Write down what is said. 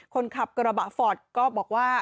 คนขับกระบะฟอร์ดก็บอกว่า